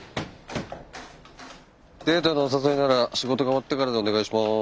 デートのお誘いなら仕事が終わってからでお願いします。